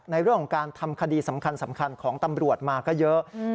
ในเรื่องของการทำคดีสำคัญของตำรวจมาก็เยอะ